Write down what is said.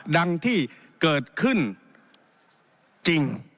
ดังที่เกิดขึ้นจริง